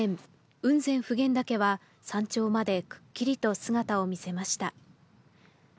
雲仙普賢岳は山頂までくっきりと姿を見せました。